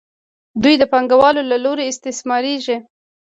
دوی د پانګوالو له لوري استثمارېږي